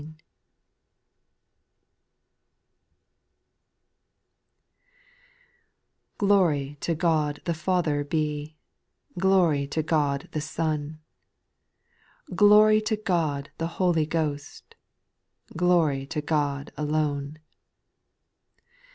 n LORY to God the Father be, vJT Glory to God the Son, Glory to God the Holy Ghost, Glory to God alone